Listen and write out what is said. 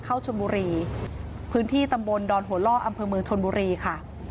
เข้าชนบุรีพื้นที่ตำบลดอนหัวล่ออำเภอเมืองชนบุรีค่ะ